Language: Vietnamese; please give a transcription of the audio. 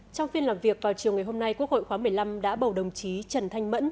trong phiên làm việc vào chiều ngày hôm nay quốc hội khóa một mươi năm đã bầu đồng chí trần thanh mẫn